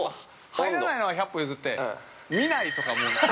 入らないのは百歩譲って見ないとかは、もうない。